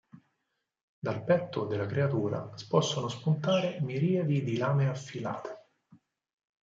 Dal petto della creatura possono spuntare miriadi di lame affilate.